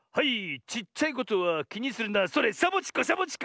「ちっちゃいことはきにするなそれサボチコサボチコ」